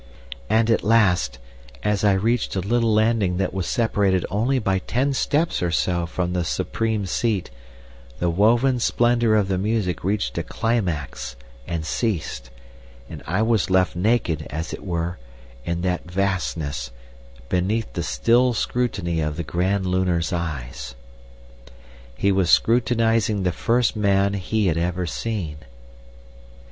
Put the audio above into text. And at last, as I reached a little landing that was separated only by ten steps or so from the supreme seat, the woven splendour of the music reached a climax and ceased, and I was left naked, as it were, in that vastness, beneath the still scrutiny of the Grand Lunar's eyes. "He was scrutinising the first man he had ever seen....